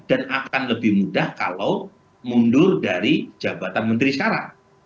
dan akan lebih mudah kalau mundur dari jabatan menteri sekarang